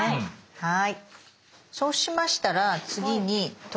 はい。